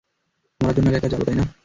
মরার জন্য একা একা যাবো, তাই না?